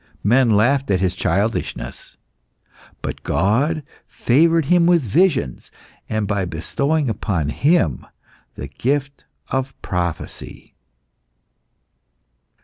Men laughed at his childishness, but God favoured him with visions, and by bestowing upon him the gift of prophecy.